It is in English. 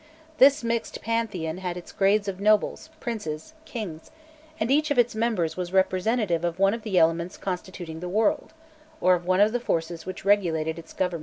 This mixed pantheon had its grades of nobles, princes, kings, and each of its members was representative of one of the elements constituting the world, or of one of the forces which regulated its government.